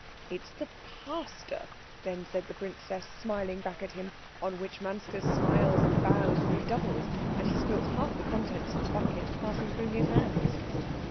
"It is the pastor," then said the princess, smiling back at him; on which Manske's smiles and bows redoubled, and he spilt half the contents of the bucket passing through his hands.